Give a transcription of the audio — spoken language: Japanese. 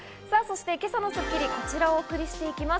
今朝の『スッキリ』はこちらをお送りしていきます。